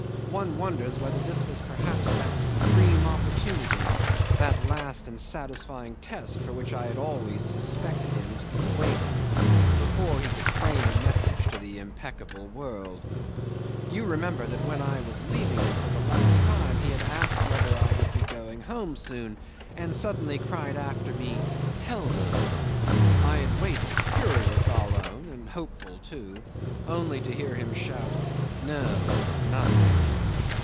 One wonders whether this was perhaps that supreme opportunity, that last and satisfying test for which I had always suspected him to be waiting, before he could frame a message to the impeccable world. You remember that when I was leaving him for the last time he had asked whether I would be going home soon, and suddenly cried after me, "Tell them ..." I had waited curious I'll own, and hopeful too only to hear him shout, "No nothing."